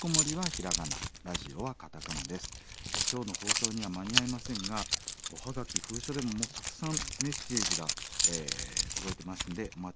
今日の放送には間に合いませんがおはがき封書でもたくさんメッセージが届いてますのでお待ちしております。